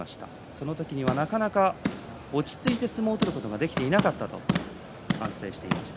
その時にはなかなか落ち着いて相撲を取ることができていなかったと反省していました。